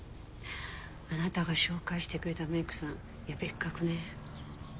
あなたが紹介してくれたメイクさんいや別格ね。